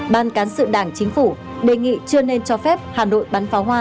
ban cán sự đảng chính phủ đề nghị chưa nên cho phép hà nội bắn pháo hoa